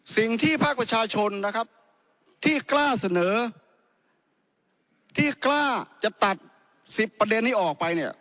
สิ่งที่ภาคประชาชนนะครับที่กล้าเสนอที่กล้าจะตัด๑๐ประเด็นนี้ออกไปเนี่ย